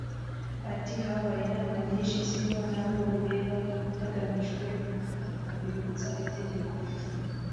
Ati “Habaye inama nyinshi zirimo n’abo bireba hagamijwe kubibutsa itegeko